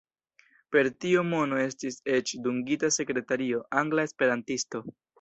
Per tiu mono estis eĉ dungita sekretario, angla esperantisto.